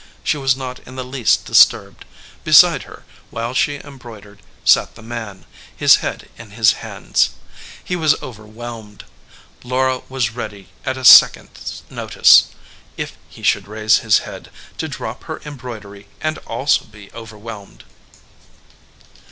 She was not in the least disturbed. Beside her, while she embroidered, sat the man, his head in his hands. He was overwhelmed. Laura was ready at a second s notice, if he should raise his head, to drop her embroidery and also be overwhelmed.